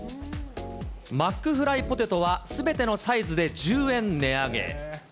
マックフライポテトはすべてのサイズで１０円値上げ。